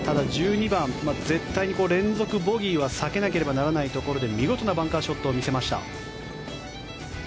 １２番、絶対に連続ボギーは避けなければならないところで見事なバンカーショットを見せました。